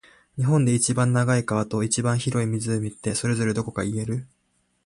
日本で一番長い川と、一番広い湖って、それぞれどこか言える？